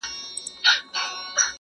o بس و یار ته ستا خواږه کاته درمان سي,